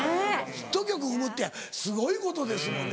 ヒット曲生むってすごいことですもんね